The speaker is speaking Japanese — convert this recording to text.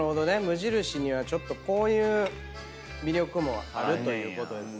無印にはちょっとこういう魅力もあるということですね。